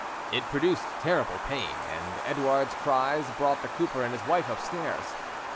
It produced terrible pain, and Edouard's cries brought the cooper and his wife upstairs.